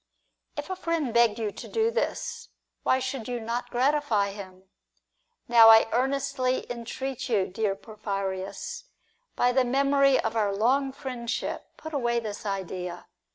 If a friend begged you to do this, why should you not gratify him ? Now I earnestly entreat you, dear Porphyrins, by the memory of our long friendship, put away this idea.